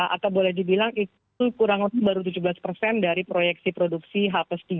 atau boleh dibilang itu kurang lebih baru tujuh belas persen dari proyeksi produksi h tiga